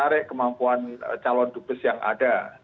ini adalah kemampuan calon dubes yang ada